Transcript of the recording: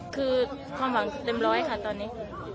คือความหวังเต็มร้อยค่ะตอนนี้